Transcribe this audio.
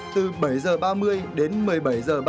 từ bảy h ba mươi đến một mươi bảy h ba mươi